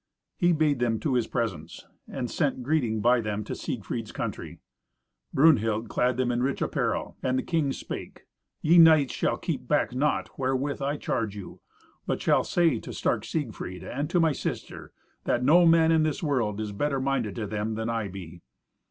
He bade them to his presence, and sent greeting by them to Siegfried's country. Brunhild clad them in rich apparel, and the king spake, "Ye knights shall keep back naught wherewith I charge you, but shall say to stark Siegfried, and to my sister, that no man in this world is better minded to them than I be.